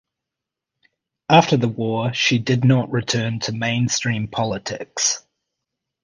After the war she did not return to mainstream politics.